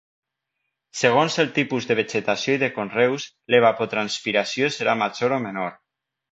Segons els tipus de vegetació i de conreus l'evapotranspiració serà major o menor.